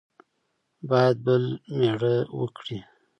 باید بل مېړه وکړي.